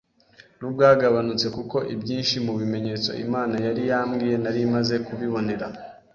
nubwagabanutse kuko ibyinshi mu bimenyetso Imana yari yambwiye nari maze kubibonera